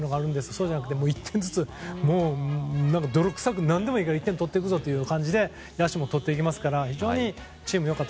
そうじゃなくて１点ずつ泥臭く何でもいいから１点を取っていくぞという感じで野手も取っていきますから。